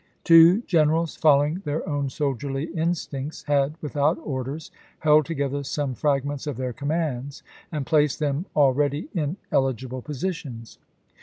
Two generals, following their own soldierly instincts, had without orders held together some fragments of their commands and placed them al ready in eligible positions.